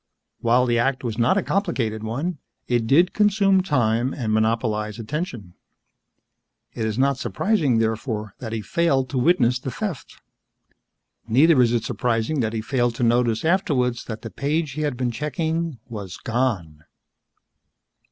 While the act was not a complicated one, it did consume time and monopolize attention. It is not surprising, therefore, that he failed to witness the theft. Neither is it surprising that he failed to notice afterwards that the page he had been checking was gone.